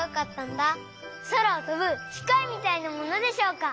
そらをとぶきかいみたいなものでしょうか？